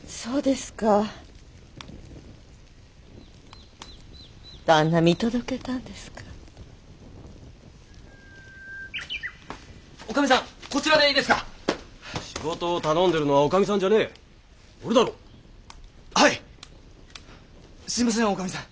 すいません女将さん。